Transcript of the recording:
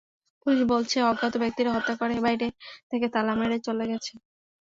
Police বলছে, অজ্ঞাত ব্যক্তিরা হত্যা করে বাইরে থেকে তালা মেরে চলে গেছে।